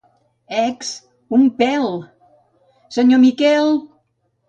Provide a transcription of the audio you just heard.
—Ecs, un pèl! —Senyor Miquel!